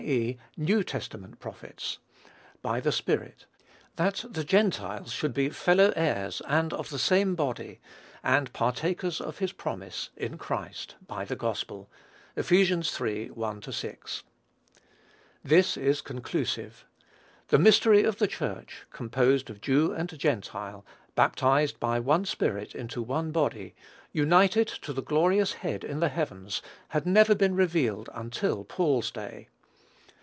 e., New Testament prophets, [Greek: tois hagiois apostolois autou kai prophêtais]) by the Spirit; that the Gentiles should be fellow heirs, and of the same body, and partakers of his promise in Christ by the gospel." (Eph. iii. 1 6.) This is conclusive. The mystery of the Church, composed of Jew and Gentile, baptized by one Spirit into one body, united to the glorious Head in the heavens, had never been revealed until Paul's day.